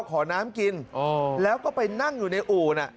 ขอน้ำกินแล้วก็ไปนั่งอยู่ในอู่น่ะ